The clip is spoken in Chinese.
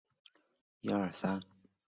水库东岸有红军岩。